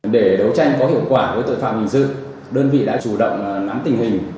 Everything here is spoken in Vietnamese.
để đấu tranh có hiệu quả với tội phạm hình sự đơn vị đã chủ động nắm tình hình